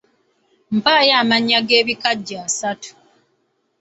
Mpaayo amannya g'ebikajjo asatu